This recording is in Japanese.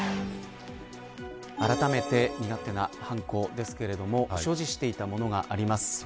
あらためて身勝手な犯行ですけれども所持していたものがあります。